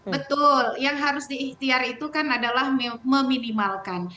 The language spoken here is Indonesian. betul yang harus diikhtiar itu kan adalah meminimalkan